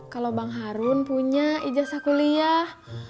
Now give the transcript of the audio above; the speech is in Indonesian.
kalau bang harun punya ijazah kuliah